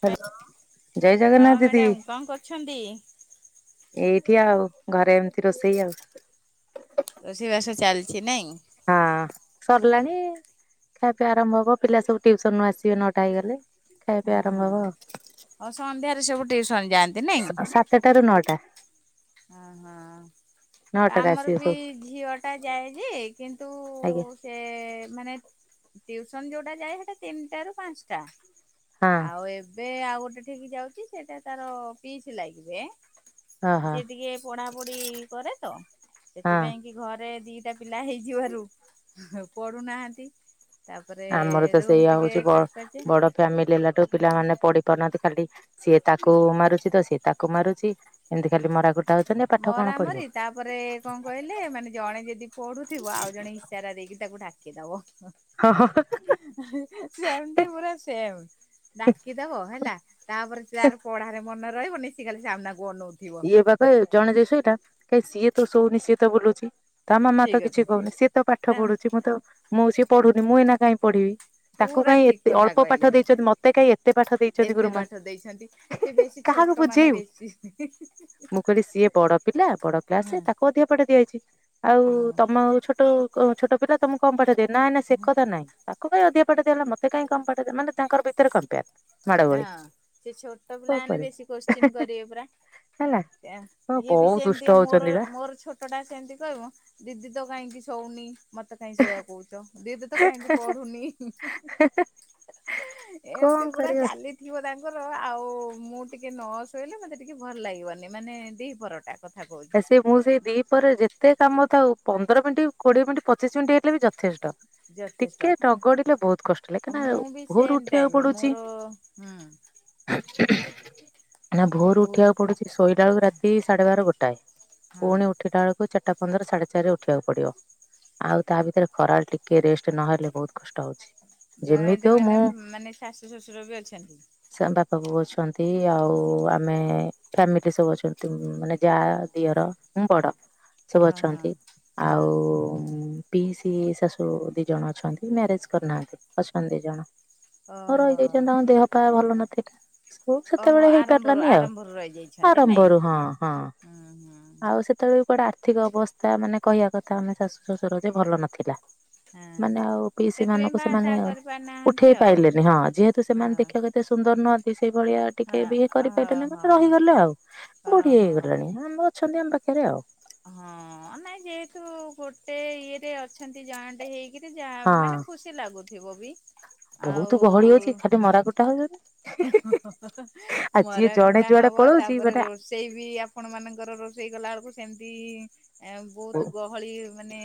Hello ଜୟ ହଁ Jagannath madam ଦିଦି। କଣ କରୁଛନ୍ତି? ଏଇଠି ଆଉ ଘରେ ଏମିତି ରୋଷେଇ ଆଉ। ରୋଷେଇ ବାସ ଚାଲିଛି ନାଇଁ? ହଁ ଅଁ ସରିଲାଣି। ଖିଆପିଆ ଆରମ୍ଭ ହବ ପିଲା ସବୁ୍ ଟ୍ୟୁସନରୁ ଆସିବେ ନଟା ହେଇଗଲେ। ଖାଇବା ପିଇବା ଆରମ୍ଭ ହଁ ହବ ହଁ ଆଉ ଆଉ ସନ୍ଧ୍ୟାରେ ସବୁ ଟିଉସନ ଯାଆନ୍ତି ନାଇଁ? ସ ସାତଟା ରୁ ନଅଟା। ଓ ହୋ ହଁ ନଅଟାରେ ଆମର ଆସିବେ ବି ସବୁ ଝିଅ ଟା ଯାଏ କିନ୍ତୁ ଆଜ୍ଞା ସେ ମାନେ ଟିଉସନ ଯୋଉଟା ଯାଏ ସେଟା ତିନିଟା ରୁ ପାଞ୍ଚଟା। ହଁ ଆଉ ଏବେ ଆଉ ଗୋଟେ ଠିକି ଯାଉଛି ସେଟା ତାର ପିଚ ଲାଗିବେ ହଁ ହଁ ସିଏ ଟିକେ ପଢା ପଢି କରେ ତ ହଁ ସେଥିପାଇଁ କି ଘରେ ଦିଟା ପିଲା ହେଇଯିବାରୁ ପଢୁନାହାନ୍ତି। ତାପରେ ଆମର ତ ରୁମ ସେଇଆ ଟିକେ ହଉଛି ବ ସଟ ପଡୁଛି ବଡ ଫ୍ୟାମିଲି ହେଲାଠୁ ପିଲାମାନେ ପଢି ପାରୁନାହାନ୍ତି ଖାଲି ସିଏ ତାକୁ ମାରୁଛି ତ ସିଏ ତାକୁ ମାରୁଛି ଏମିତି ଖାଲି ମରା କୋଟା ହଉଛନ୍ତି ପାଠ କଣ ମରାମରି ପଢିବେ? ତାପରେ କଣ କହିଲେ ମାନେ ଜଣେ ଯଦି ପଢୁଥିବ ଆଉ ଜଣେ ଇସାରା ଦେଇକି ତାକୁ ଡାକିଦବ। ହଁ ହ ହ। ସେମତି ପୁରା ସେମ। ହଁ ଡାକିଦବ ହେଲା ତାପରେ ତାର ପଢାରେ ମନ ରହିବନି ସେ ଖାଲି ସାମ୍ନାକୁ ଅନଉଥିବ ଇଏ ପା କହିବେ ଜଣେ ଯଦି ଶୋଇଲା କାଇଁ ସିଏ ତ ଶୋଉନି ସିଏ ତ ବୁଲୁଛି ତା ମାମା ସେଇ ତ କଥା କିଛି କହୁନି ସିଏ ତ ପାଠ ତା ପଢୁଛି ମୁଁ ତ ମୁଁ ସିଏ ପଢୁନି ମୁଁ ଏଇ ନା କାଇଁ ପଢିବି? ତାଙ୍କୁ ପୁରା କାଇହିଁ ଠିକ ଏତେ କଥା ଅଳ୍ପ କହିଲେ ପାଠ ଦେଇଛନ୍ତି ମତେ କାଇହିଁ ଏତେ ପାଠ ଦେଇଛନ୍ତି ଏତେ ଗୁରୁମା ପାଠ ଦେଇଛନ୍ତି। ସେ ବେଶୀ କାହାକୁ ଛୋଟ ମାନେ ବୁଝେଇବୁ। ବେଶୀ ମୁଁ କହିଲି ସିଏ ବଡ ପିଲା ବଡ କ୍ଲାସ ହଁ ତାକୁ ଅଧିକ ପାଠ ଦିଆଯାଇଛି ଆଉ ହଁ। ତମ ଛୋଟ ତୁ ଛୋଟ ପିଲା ତମକୁ କଣ ପାଠ ଦିଏ ନାଇଁ ନାଇଁ ସେ କଥା ନାଇଁ ତାକୁ କାଇଁ ଅଧିକ ପାଠ ଦେଲା ମତେ କାଇଁ କମ୍ ପାଠ ଦେ ମାନେ ତାଙ୍କର ଭିତରେ କମ୍ପୟାର ହଁ ସେ ଛୋଟ ପିଲାମାନେ କରିବୁ। ବେଶୀ କୋଶ୍ଚିନ୍ କରିବେ ପରା ହେଲା ହଁ ଇଏ ବି ବହୁତ ଦୁଷ୍ଟ ସେମିତିଆ ମୋର ହଉଛନ୍ତି ବା। ମୋର ଛୋଟ ଛଟ ଟା ସେମିତି କହିବ ଦିଦି ତ କାହିଁକି ଶଉନି? ମତେ କାହିଁ ଶୋଇବାକୁ କହୁଛ ଦିଦି ତ କାହିଁକି ପଢୁନି? କଣ ଏମତି ପୁରା଼ କରିବା? ଲଥିବ ତାଙ୍କର ଆଉ ମୁଁ ଟିକେ ନ ଶୋଇଲେ ମୋତେ ଟିକେ ଭଲ ଲାଗିବନି ମାନେ ଦି ପହର ଟା ଆ ସେ ମୁଁ ସେଇ ଦି ପରେ ଯେତେ କାମ ଥାଉ ପନ୍ଦର ମିନିଟ୍ କୋଡିଏ ମିନିଟ୍ ପଚିଶ ମିନିଟ୍ ହେଲେ ବି ଥେଷ୍ଟ ଯଥେଷ୍ଟ ଟିକେ ନଗଡିଲେ ବହୁତ କଷ୍ଟ ଲାଗେ ମୁଁ ବି କାହିଁକିନା ଭୋର ସେମ୍ ଉଠିବାକୁ ଟାଇମ୍ ପଡୁଛି। ମୋର ହୁଁ ନା ଭୋର ବୋ ଉଠିବାକୁ ପଡୁଛି ଶୋଇଲାବେଳକୁ ରାତି ସାଢେ ବାର ଗୋଟାଏ। ହଁ ପୁଣି ଉଠିଲା ବେଳକୁ ଚାରିଟା ପନ୍ଦର ସାଢେ ଚାରିରେ ଉଠିବାକୁ ପଡିବ। ଆଉ ତା ଭିତରେ ଖରା ବେଳେ ଟିକେ ରେଷ୍ଟ ନହେଲେ ବହୁତ କଷ୍ଟ ହଉଛି। ଯେମିତି ଜଏଣ୍ଟ ହଉ ମାନେ ମୁଁ ମାନେ ଶାଶୁ ଶଶୁର ବି ଅଛନ୍ତି। ସେ ଆମ ବାପା ବୋଉ ଅଛନ୍ତି ଆଉ ଆମେ ଫାମିଲି ସବୁ ଅଛନ୍ତି ମାନେ ଯା ଦିଅର ମୁଁ ବଡ଼ ସବୁ ହଁ ହଁ ଅଛନ୍ତି ହଁ ଆଉ ପି ସି ଶାଶୁ ଦି ଜଣ ଅଛନ୍ତି ମ୍ୟାରେଜ କରିନାହାନ୍ତି ଅଛନ୍ତି ଦି ଜଣ। ହଁ ଓହୋ ରହିଯାଇଛନ୍ତି ଦେହ ପା ଭଲ ନଥିଲା। ଓହୋ ସେତେବେଳେ ଆରମ୍ଭରୁ ହେଇପାରିଲାନି ଆଉ ଆରମ୍ଭରୁ ରହିଯାଇଛନ୍ତି ନାଇଁ ଆରମ୍ଭରୁ ହଁ ହଁ। ହୁଁ ହୁଁ। ଆ ସେତେବେଳେ ବି କୁଆଡେ ଆର୍ଥିକ ଅବସ୍ଥା ମାନେ କହିବା କଥା ମାନେ ଶାଶୁ ଶଶୁର ଯେ ଭଲ ନଥିଲା। ହଁ ମାନେ ଆଉ ପିଇସୀ ସେଥିପାଇଁ ମାନଙ୍କୁ ବାହା ସେମାନେ ସାହା କରିପାରିନାହାନ୍ତି ଉଠେଇ ଆଉ। ପାରଲେନି ହଁ ଯେହେତୁ ହଁ ସେମାନେ ଦେଖିବାକୁ ଏତେ ଏତେ ସୁନ୍ଦର ନୁହନ୍ତି ସେଇ ଭଳିଆ ହଁ ଟିକେ ବି ଇଏ କରିପାରିଲେନି ହଁ ମାନେ ରହିଗଲେ ଆଉ ହଁ ବୁଢ଼ି ହଁ ହେଇଗ ଆମର ଅଛନ୍ତି ଆମ ପାଖରେ ଆଉ। ହଁ ନାଇଁ ଯେହେତୁ ଗୋଟେ ଇଏରେ ଅଛି ଛନ୍ତି ଜଏଣ୍ଟ ହେଇକିରି ଯାହା ହଁ ମାନେ ଖୁସି ଲାଗୁଥିବ ବି ଆଉ ବହୁତ ଗହଳି ଅଉଛି ଖାଲି ମରା କୋଟା ହଉଛନ୍ତି। ଆଉ ଯିଏ ମର ଜଣେ କଟା ଯୁଆଡେ ହବ ପଳଉଛି ତାପରେ ମାନେ ରୋଷ ରୋଷେଇ ବି ଆପଣ ମାନଙ୍କର ରୋଷେଇ କଲା ବେଳକୁ ସେମିତି ବହୁତ ଗ ଭଳି ମାନେ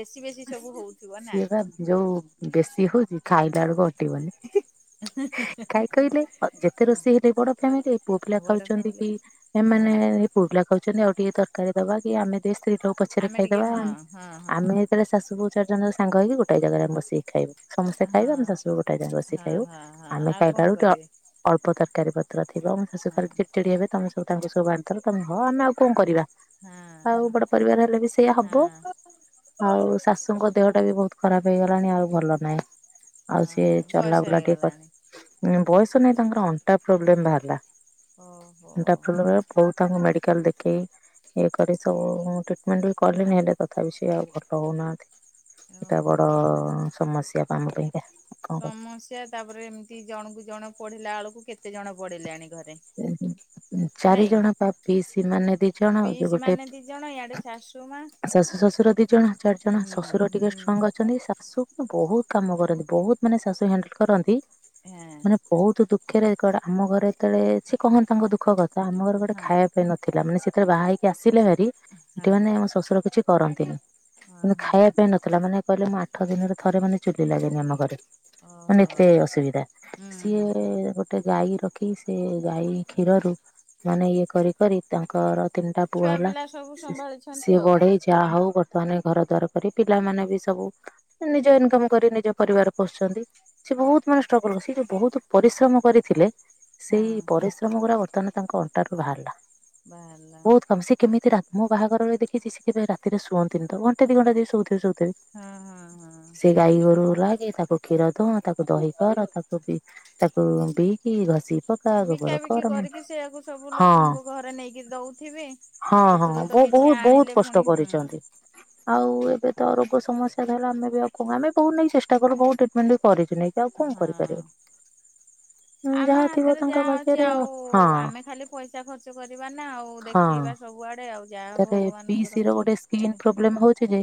ବେଶୀ ବେଶୀ ସବୁ ହଉଥିବ ନା। ସିଏ ବା ଯୋଉ ବେଶୀ ହଉଛି ଖାଇଲା ବେକୁ ଅଟିବନି। କାଇ କହିଲେ ଯେତେ ରୋଷେଇ ହେଲେ ବଡ ଫାମିଲି ପୁଅ ପିଲା ବଡ ଖାଉଛନ୍ତି ଫ୍ୟାମିଲି କି ହଁ ଏମାନେ ପୁଅ ପିଲା କହୁଛନ୍ତି ଆଉ ଟିକେ ତରକାରୀ ଦବା କି ଆମେ ଦେ ସ୍ତ୍ରୀ ପଛରେ ଆମେ ଟିକେ ଖାଇଦବା, ହଁ ହଁ ହଁ ଆମେ ଯେତେବେଳେ ଶାଶୁବୁ ଚାରି ଜଣଙ୍କ ସାଙ୍ଗ ହେଇକି ଗୋଟେ ଜାଗାରେ ଆମେ ବସିକି ଖାଇବୁ। ସମସ୍ତେ ହଁ ଖାଇବେ ଆମେ ତା ସବୁ ଗୋଟେ ଜାଗା ବସିି ହଁ ଖାଇବୁ ହଁ ହଁ ଆମେ ଆଉ କଣ ଖାଇବାରୁ ଟେ କରିବେ ଅଳ୍ପ ତରକାରୀ ଥିବ ମୋ ଶାଶୁା ହଁ। ଚିଡି ଚିଡି ହେବେ ତମେ ସବୁଙ୍କୁ ସବୁ ବାଢି ଦେଲ ତମେ ହଁ ଆଉ ଆମେ ଆଉ କଣ କରିବା। ହଁ ଆଉ ବଡ ପରିବାର ହେଲେ ବି ସେଇୟଆ ହବ। ହଁ ଆଉ ଶାଶୁଙ୍କ ଦେହଟା ବି ବହୁତ ଖରାପ ହେଇଗଲାଣି ଆଉ ଭଲ ନାହିଁ। ଆଉ ସିଏ ହଁ ଚଲା ବୟସ ବୁଲା ଟିକେ ହେଇଗଲାଣି କଥା ବୟସ ନାଇ ତାଙ୍କର ଅଣ୍ଟା ପ୍ରୋବ୍ଲେମ ବାହାରିଲା ଓହୋ ଅଣ୍ଟା ପ୍ରବ୍ଲେ ବୋହୁ ତାଙ୍କୁ ମେଡିକାଲ ଦେଖେଇ ଇଏ କରି ସବୁ ଟ୍ରିଟମେଣ୍ଟ ବି କଲେଣିି ହେଲେ ତଥାପି ସେିଏ ଆଉ ଭଲ ରହୁନାହାନ୍ତି ଏଇଟା ବଡ ଓହୋ ସମସ୍ୟା ଆମ ପାଇଁକା। କଣ ସମସ୍ୟା ତାପରେ ଏମିତି ଜଣକୁ ଜଣ ପଢିଲା ବେଳକୁ କେତେ ଜଣ ପଢିଲେଣି ଘରେ ନାଇଁ ଚାରିଜଣ ପାପି ସେମାନେ ଦି ଜଣ ଆଉ ଯୋଉ ପିଇସି ଗୋଟେ ମାନେ ଦି ଜଣ ଇଆଡେ ଶାଶୁ ମା ଶାଶୁ ଶଶୁର ଦି ଜଣ ଚାରି ଜଣ। ଜଣେ ହୁଁ ଶ୍ୱଶୁର ହୁଁ ଟିକେ ଷ୍ଟ୍ରଙ୍ଗ୍ ଅଛନ୍ତି ଶାଶୁ ବହୁତ କାମ କରନ୍ତି ବହୁତ ମାନେ ଶାଶୁ ହ୍ୟାଣ୍ଡେଲ କରନ୍ତି। ମାନେ ହଁ। ବହୁତ ଦୁଃଖରେେ ଆମ ଘରେ ଏତେବେଳେ ସେ କହନ୍ତି ତାଙ୍କ ଦୁଃଖ କଥା ଆମ ଘରେ ଗୋଟେ ଖାଇବା ପାଇଁ ନ ଥିଲା ମାନେ ସେତେବେଳେ ବାହା ହେଇକି ଆସିଲେ ଭାରି ଏଠି ହଁ ହଁ ମାନେ ଆମ ଶ୍ୱଶୁର କିଛି କରନ୍ତିନି। କିନ୍ତୁ ଓହୋ ଖାଇବା ପାଇଁ ନଥିଲା ମାନେ କହିଲେ ମୁଁ ଆଠ ଦିନରେ ଥରେ ମାନେ ଚୁଲି ଲାଗେନି ଆମ ଘରେ। ମାନେ ଓହୋ ଏତେ ଅସୁବିଧା ହୁଁ ସିଏ ଗୋଟେ ଗାଈ ରଖି ସେ ଗାଈ କ୍ଷୀରରୁ ମାନେ ଇଏ କରି କରି ତାଙ୍କର ତିନିଟା ପୁଅ ଛୁଆ ହେଲା ପିଲା ସବୁ ସମ୍ଭାଳିଛନ୍ତି ସିଏ ଆଉ ବଢେଇ ଯାହା ହଉ ବର୍ତ୍ତମାନ ଘର ଦ୍ୱାର କରି ପିଲାମାନୋନ ବି ସବୁ ନିଜ ଇନକମ୍ କରି ନିଜ ପରିବାର ପୋଷୁଛନ୍ତି। ସେ ବହୁତ ମାନେ ଷ୍ଟ୍ରଗଲ କରି ସ ଯୋଉ ବହୁତ ପରିଶ୍ରମ କରିଥିଲେ ସେଇ ହଁ ପରିଶ୍ରମ ଗୁଡା ବର୍ତ୍ତମାନ ତାଙ୍କ ଅଣ୍ଟା ରୁ ବାହାରିଲା ବାହାରିଲା ବହୁତ କାମ ସେ କେମିତି ରା ମୁଁ ବାହାଘରରେ ଦେଖିଛି ସେ କେବେ ରାତିରେ ସୁଅନ୍ତିନି ତ ଘଣ୍ଟେ ଦୁଇ ଘଣ୍ଟା ଯଦି ସୋଉ ଥିବେ ଶଉଥିବେ। ହଁ ହଁ ହଁ। ଗାଈ ଗୋରୁ ଲାଗେ, ତାକୁ କ୍ଷୀର ଦୁହ ତାକୁ ଦହି କର ତାକୁ ବି ତାକୁ ବିଇକି ଘଷି ପକା ଗୋବର ବିକାବିକି କର କରିକି ସେଆକୁ ସବୁ ହଁ ଲୋକଙ୍କୁ ଘରେ ନେଇକି ଦଉଥିବେ। ହଁ ହଁ ସେଥିରୁ ତ ବ କିଛି ବହୁତ ବହୁତ ଆଣିଲେ ପୁଣି କଷ୍ଟ ହୁଁ କରିଛନ୍ତି। ଆଉ ଏବେ ତ ରୋଗ ସମସ୍ୟା ଧଇଲା ଆମେ ବି ଆମେ ବହୁତ ନେଇ ଚେଷ୍ଟା କରୁ ବହୁଉ ଟ୍ରିଟମେଣ୍ଟ ବି କରିଛିୁ ନେଇ। ଆଉ କଣ ହଁ। କରିପାରିବେ ଆମ ଯାହା ଥିବ ହାତରେ ଯାହା ତାଙ୍କ ଅଉଛି ଭାଗ୍ୟରେ ହଁ ଆଉ ଆମେ ଖାଲି ପଇସା ଖର୍ଚ୍ଚ କରିବା ନା ଆଉ ଦେଖେଇବା ସବୁଆଡେ ଆଉ। ଯାହା ତାପରେ ପିଇସ ଭଗବାନଙ୍କର ର ଗୋଟେ ସ୍କିନ୍ ଇଏରେ ପ୍ରୋବ୍ଲେମ ହଉଚ ଯେ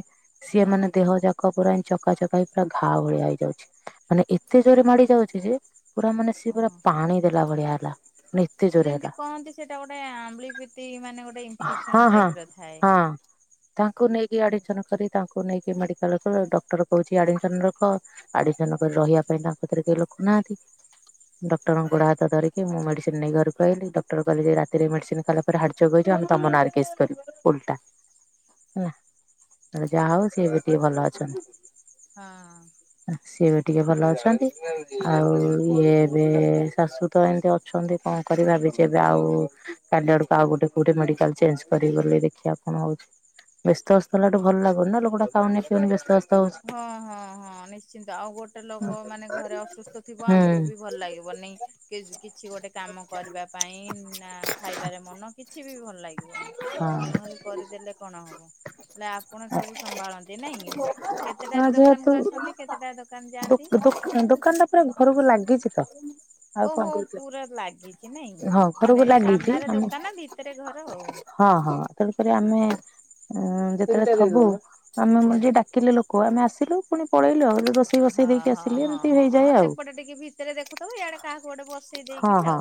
ସିଏ ହଁ ମାନେ ଦେହ ଯାକ ଚକ ପୁରା ଚକାଚକା ହେଇ ପୁରା ଘା ଭଳିଆ ହେଇଯାଉଛି ମାନେ ଏତେ ଜୋରେ ମାଡି ଯାଉଛି ଯେ ପୁରା ମାନେ ସିଏ ପୁରା ହଁ। ପାଣି ଦେଲା ଭଳିଆ ହେଲା। ମାନେ ଏତେ ଜୋରେ ଯେମିତି ହେଲା କହନ୍ତି ସେଇଟା ଗୋଟେ ଆମ୍ବଳିପତି ମାନେ ଗୋଟେ ଇମଫେସ ହଁ ହଁ ହଁ। ତାଙ୍କୁ ନେଇକି ଆଡମିସନ କରି ତାଙ୍କୁ ନେଇକି ମେଡିକାଲ ଡକ୍ଟର କହୁଛି ଆଡମିସନ ରଖ। ଆଡିମିସନ କରି ରହିବା ପାଇଁ ତାଙ୍କ ପାରେ କେହି ଲୋକ ନାହାନ୍ତି। ଡକ୍ଟରଙ୍କ ଗୋଡ ହାତ ଧରିକି ମୁଁ ମେଡିସିନ ନେଇ ଘରକୁ ଆଇଲି ଡକ୍ଟର କହିଲି ରାତିରେ ମେଡିସିନ ଖାଇଲା ହାଟ୍ଚୋକ ହେଇଯିବ ଆମେ ତମ ନାରେକେସ୍ କରିବୁ ଓଲଟା। ହେଲା, ଯାହା ହଉ ସିଏ ଏବେ ଟିକେ ଭଲ ଅଛନ୍ତି। ହଁ। ସିଏ ବି ଟିକେ ଭଲ ଅଛନ୍ତି। ଆଉ ଇଏ ଏବେ ଶାଶୁ ତ ଏମିତି ଅ ଅଛନ୍ତି, କଣ କରିବା ଭାବିଚି ଏବେ ଆଉ କାଲି ଆଡକୁ ଆଉ କୋଉ ମେଡିକାଲ ଚେନ୍ଚ କରିବି ବୋଲି ଦେଖିଆ କଣ ହଉଚି ବ୍ୟସ୍ତ ଅସ୍ତ ହେଲାଟୁ ଭଲଲାଗୁନି ଲୋକଟା ଖାଉନି ପିଉନି ବ୍ୟସ୍ତ ଅସ୍ତ ହଁ ହଁ ହଁ ନିଶ୍ଚିନ୍ତ ଆଉ ଗୋଟେ ଲୋକ ମାନେ ଘରେ ଅସୁସ୍ଥ ଥିବ ହୁଁ ଆମକୁ ବି ଭଲ ଲାଗିବ ନି। କିଛି ଗୋଟେ କାମ କରିବା ପାଇଁ ନା ଖାଇବାରେ ମନ କିଛି ବି ଭଲ ଲାଗି ବନି ହଁ। ଆମେ ଖାଲି କରିଦେଲେ କଣ ହବ? ହେଲେ ଆପଣ ସବୁ ସମ୍ଭାଳନ୍ତି ନାଇଁ? ହଁ କେତେଟାରେ ଯେହେତୁ ଦୋକାନକୁ ଆସନ୍ତି କେତେଟା ଦୋକାନ ଯାଆନ୍ତି ଦୋକା ଦୋକାନଟା ପୁରା ଘରକୁ ଲାଗିଚି ତ? ଆଉ କଣ ଓହୋ ପୁରା ଲାଗିଚି ନାଇଁ ହଁ ଘରକୁ ମାନେ ଲାଗିଛି ସାମ୍ନାରେ ଆମେ ଦୋକାନ ଭିତରେ ଘର। ହଁ ହଁ ତେଣୁ କରି ହଁ ଆମେ ହଁ ଯେତେବେଳେ ଥିବୁ ଆମେ ମାନେ ଯିଏ ଡାକିଲେ ଲୋକ କୁ ଆସିଲୁ ପଳେଇଲୁ ଏବେ ହଁ ହଁ ହଁ ହଁ ସେପଟେ ଟିକେ ଭିତରେ ଦେଖୁଥିବ ଇଆଡେ କାହାକୁ ଗୋଟେ ବସେ ହଁ ହଁ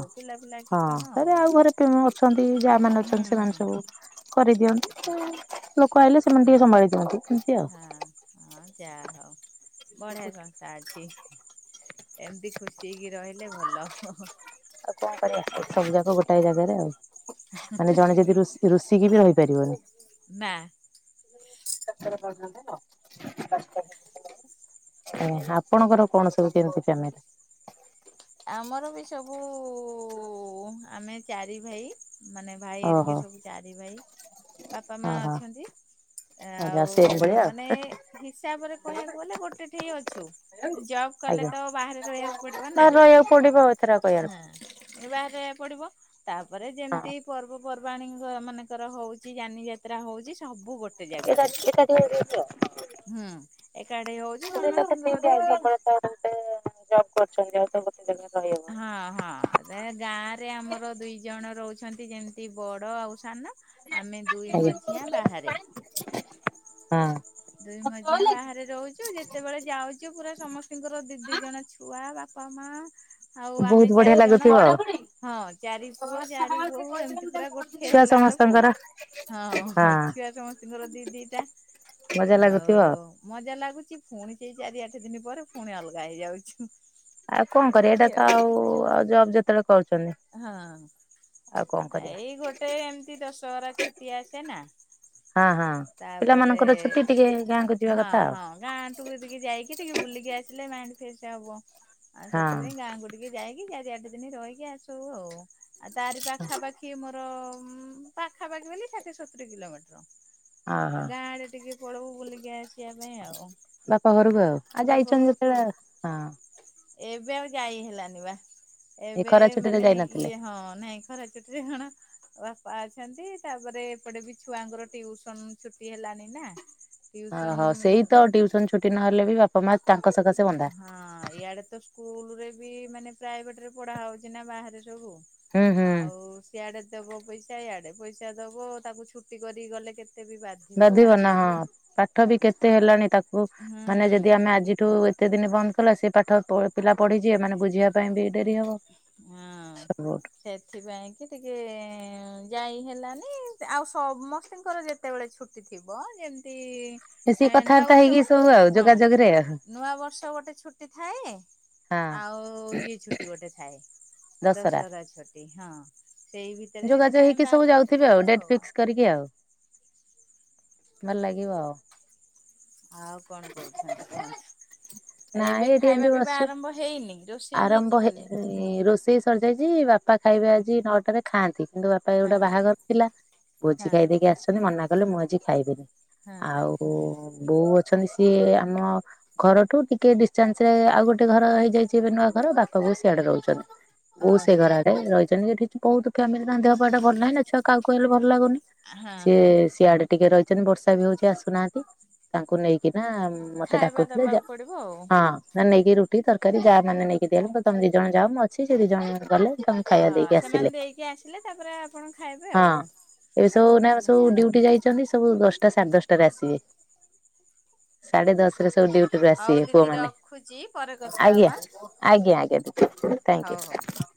ହଁ ସେରେ ଆଉ ଘରେ ଅଛନ୍ତି ଯା ମାନେ ହୁଁ ଅଛନ୍ତି ହୁଁ ସେମାନେ ସବୁ ବାସ, କରିଦିଅନ୍ତି ଲୋକ ଆଇଲେ ସେମାନେ ଟିକେ ସମ୍ଭାଳି ଦିଅନ୍ତି। ଆଉ। ହଁ ହଁ ଯାହା ହଉ ବଢିଆ ସଂସ୍ଥା ଅଛି। ଏମତି ଖୁସି ହେଇକି ରହିଲେ ଭଲ। ଆଉ କଣ କରିବାଆ ସବୁ ଯାକ ଗୋଟାଏ ଜାଗାରେ, ଆଉ ମାନେ ଜଣେ ଯଦି ରୋଷେ ରୁଷିକି ବି ରହିପାରିବନି। ନାଁ। [unintelligible] ଆଜ୍ଞା ଆପଣଙ୍କର କଣ ସବୁ କେମିତି ଫ୍ୟାମିଲି? ଆମର ବି ସବୁ ଆମେ ଚାରି ଭାଇ ମାନେ ଭାଇ ହରିକା ଓହୋ ସବୁ ଚାରି ଭାଇ ବାପା ମା ହଁ ହଁ ଅଛନ୍ତି ଆଚ୍ଛା ଆଉ ସେମ୍ ଭଳିଆ ଆଉ ମାନେ ହିସାବ ରେ କହିବାକୁ ଗଲେ ଗୋଟେ ଠି ଅଛୁ ଜବ କଲେ ଆଜ୍ଞା ତ ବାହାରେ ରହିବାକୁ ପଡିବ ନା। ବାହାରେ ରହିବାକୁ ପଡିବ ଆଉ ଏଥର କହିବାର ହଁ ହଁ ଏ ବାହାରେ ରହିବା ପଡ଼ିବ। ତାପରେ ଯେମିତି ପର୍ବପର୍ବାଣୀ ମାନଙ୍କର ହୋଉଚି ଯାନି ଯାତ୍ରା ହୋଉଚି ସବୁ ଗୋଟେ ଜାଗାରେ। [unintelligible] ହୁଁ ଏକାଠି ହୋଉଚୁ ସେଇଟା ତ ଠିକ୍ ସମସ୍ତଙ୍କର ଦିଦି [unintelligible] ଜବ୍ କରିଛନ୍ତି ଆଉ ତ ଗୋଟେ ରହିହବନି ହଁ ନା। ହଁ ଗାଁ ରେ ଆମର ଦୁଇ ଜଣ ରହୁଛନ୍ତି ଯେମିତି ବଡ ଆଉ ସାନ ଆମେ ଦୁଇ ମଝିଆ ବାହାରେ। ଆଜ୍ଞା। ହଁ। ଦୁଇ ମଝିଆ ବାହାରେ ରହୁଛୁ ଯେତେବେଳେ ଯାଉଛୁ ପୁରା ସମସ୍ତଙ୍କର ଦି ଦି ଜଣ ଛୁ ଛୁଆ ବାପା ମା ଆଉ ଆମେ ବହୁତ ବଢିଆ ଚାରିଜଣ। ଲାଗୁଥିବ ଆଉ। ହଁ ଚାରି ପୁଅ ଚାରି ବୋହୂ ଏମିତି ପୁରା ଗୋଠେ ଛୁଆ ହେଲା ବେଳକୁୁ ସମସ୍ତଙ୍କର ହଁ ଛୁଆ ସମସ୍ତଙ୍କର ଦି ଦିଟା। ମଜା ଲାଗୁଥିବ ଆଉ? ମଜା ଲାଗୁଛି ପୁଣି ସେଇ ଚାରି ଆଠ ଦିନ ପରେ ପୁଣି ଅଲଗା ହେଇଯାଉଚୁ। ଆଉ କଣ କରେ ଏଇଟା ତ ଆଉ ଆଉ ଜବ ଯେତେବେଳେ କରୁଛନ୍ତି? ହଁ। ଆଉ କଣ କରିବା। ଏଇ ଗୋଟେ ଏମତି ଦଶହରା ଛୁଟି ଆସେ ନା ହଁ ହଁ ତାପରେ ପିଲାମାନଙ୍କର ଛୁଟି ଟିକେ ଗାଁକୁ ଯିବା କଥା ଆଉ। ଗାଁଠୁକୁ ଟିକେ ଯାଇକି ଟିକେ ବୁଲିକି ଆସିଲେ ମାଇଣ୍ଡ ଫ୍ରେଶ ହବ, ଆଉ ହଁ। ସେଥିପାଇଁ ଗାଁ ଗୋ ଟିକେ ଯାଇକି ଚାରି ଆଠ ଦିନ ରହିକି ଆସୁ ଆଉ ଆଉ ତାରି ପାଖାପାଖି ଖଏ ମୋର ପାଖାପାଖି ବୋଲି ଷାଠିଏ ସତୁରି କିଲୋମିଟର। ଓହୋ ଗାଁ ଆଡେ ଟିକେ ପଳଉ ବୁଲିକି ଆସିବା ପାଇଁ ଆଉ। ବାପ ଘରକୁ ଆଉ ଆଉ ବାପ ଯାଇଛନ୍ତି ଘରକୁ। ଯେତେବେଳେ, ହଁ। ଏବେ ଆଉ ଗାଈ ହେଲାନି ବା ଏଇ ଏବେ ଖରା ଛୁଟିରେ ମାନେ ଯାଇନଥିଲେ। ଇଏ ହଁ ନାଇଁ ଖରା ଚୁଟିରେ କଣ ବାପା ଅଛନ୍ତି ତାପରେ ଏପଟେ ବି ଛୁଆଙ୍କର ଟିଉସନ ଛୁଟି ହେଲଣିି ନା। ଓହୋ ଟିଉସନ ସେଇ ତ ଟ୍ୟଉସନ ଛୁଟି ନହେଲେ ବି ବାପା ମା ତାଙ୍କ ସକାଶେ ବନ୍ଧା। ହଁ ଇଆଡେଊ ତ ସ୍କୁଲ ରେ ବି ମାନେ ପ୍ରାଇଭେଟ ରେ ପଢ଼ା ହଉଛି ନା ବାହାରେ ସବୁ। ହୁଁ ହୁଁ। ଆଉ ସିଆଡ଼େ ଦବ ପଇସା ଇଆଡ଼େ ପଇସା ଦବ ତାକୁ ଛୁଟି କରିକି ଗଲେ କେତେ ବି ବାଧ ବାଧିବ ନା ହଁ ପାଠ ବି କେତେ ହେଲାଣି ତାକୁ ହୁଁ ମାନେ ଯଦି ଆମେ ଆଜିଠୁ ଏତେ ଦିନ ବନ୍ଦ କଲା ସେ ପାଠ ପିଲା ପଢ଼ିଯିବେ ମାନେ ବୁଝିବା ପାଇଁ ବି ଡେରି ହବ। ହଁ। ସବୁଠୁ ସେଥିପାଇଁ କି ଟିକେ ଯାଇ ହେଲାନି ଆଉ ସମସ୍ତିଙ୍କର ଯେ ଯେତେବେଳେ ଛୁଟି ଥିବ ଯେମତି ମିଶିକି ଏ ନୂଆ କଥାବାର୍ତ୍ତା ବର୍ଷ ହେଇକି ଗୋଟେ ସବୁ ଆଉ ଯୋଗାଯୋଗରେ ଆଉ ହଁ ନୂଆ ବର୍ଷ ଗୋଟେ ଛୁଟି ଥାଏ ହଁ ଆଉ ଇଏ ଛୁଟି ଗୋଟେ ଥାଏ। ଦଶରା ଦଶହରା ଛୁଟି ହଁ ସେଇ ଭିତରେ ଯଦି ଯୋଗାଯୋଗ ହେଇକି ଟାଇମ ସବୁ ବାହାର କରିକି ଯାଉଥିବେ ଯିବୁ ଡେଟ୍ ଆଉ। ଫିକ୍ସ କରିକି ଆଉ ଭଲ ଲାଗିବ ଆଉ। ଆଉ କଣ କହୁଛନ୍ତି କୁହନ୍ତୁ ନାଇଁ ଏବେ ଏଇଠି ଖାଇବା ଏମିତି ପିଇବା ବସିଛୁ। ଆରମ୍ଭ ହେଇନି? ରୋଷେଇ ହେଇଛି ଆରମ୍ଭ ଖାଲି। ହେଇ ରୋଷେଇ ସରିଯାଇଛି ବାପା ଖାଇବେ ଆଜି ନଅଟାରେ ଖାଆନ୍ତି କିନ୍ତୁ ବାପା ହଁ ଗୋଟେ ବାହାଘର ଥିଲା ଭୋଜି ହଁ ଖାଇ ଦେଇକି ଆସିଛନ୍ତି ମନା କଲେ ମୁଁ ଆଜି ଖାଇବିନି ହଁ ଆଉ ଓ ବୋଉ ଅଛନ୍ତି ସିଏ ଆମ ଘରଠୁ ଟିକେ ଡିଷ୍ଟାନ୍ସ ରେ ଆଉ ଗୋଟେ ଘର ହେଇଯାଇଛି ନୂଆ ଘର ବାପା ବୋଉ ସିଆଡ଼େ ରହୁଛନ୍ତି ବୋଉ ସେ ଓହୋ ଘର ଆଡ଼େ ରହିଛନ୍ତି ସେଠି ବହୁତ ଫ୍ୟାମିଲି ତାଙ୍କ ଦେହପାଆଟା ଭଲ ନାହଁ ନା ଛୁଆ କାଉ କାଉ ହେଲେ ଭଲ ଲାଗୁନି ହଁ ସିଏ ହଁ ସିଆଡ଼େ ଟିକେ ରହିଛନ୍ତି ବର୍ଷା ବି ହଉଛି ଆସୁନାହାନ୍ତି ତାଙ୍କୁ ନେଇକି ନା ମତେ ଖାଇବା ଡାକୁଥିଲେ ଦବାକୁ ପଡିବ ଆଉ। ହଁ ନେଇକି ରୁଟି ରୁଟି ତରକାରୀ ଯା ମାନେ ନେଇକି ଦେଲେ ମୁଁ ତମେ ଦି ଜଣ ଯା ମୁଁ ଅଛି ସେ ଦି ଜଣ ଗଲେ ଖାଇବା ହଁ ଦେଇକି ଆସିଲେ ସେମାନେ ଦେଇକି ଆସିଲେ ତାପରେ ଆପଣ ଖାଇବେ ଆଉ। ହଁ ଏବେ ସବୁ ନାଇଁ ସବୁ ଡ୍ୟୁଟି ଯାଇଛନ୍ତି ସବୁ ଦଶଟା ସାଢ଼େ ଦଶଟାରେ ଆସିବେ ସାଢ଼େ ଦଶ ରେ ସବୁ ଡ୍ୟୁଟିୁ ରୁ ହଉ ଆସିବେ ପୁଅ ଦିଦି ମାନେ ରଖୁଛି ପରେ କଥା ଆଜ୍ଞା। ହବା ଆଜ୍ଞା ଆଜ୍ଞା ଥ୍ୟାଙ୍କ ହଉ ହଉ। ୟୁ।